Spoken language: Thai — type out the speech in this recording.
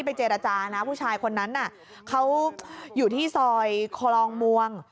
เจรจานะผู้ชายคนนั้นน่ะเขาอยู่ที่ซอยคลองมวง